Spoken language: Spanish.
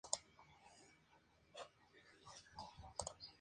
Mientras tanto, Rubens Barrichello rodaba en el decimoprimer lugar.